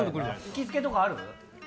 行きつけとかある？